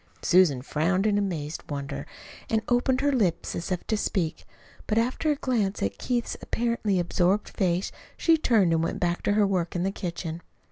Susan frowned in amazed wonder, and opened her lips as if to speak. But after a glance at Keith's apparently absorbed face, she turned and went back to her work in the kitchen.